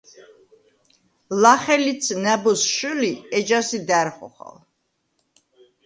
ლახე ლიც ნა̈ბოზს შჷლი, ეჯასი და̈რ ხოხალ.